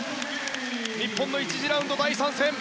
日本の１次ラウンド第３戦。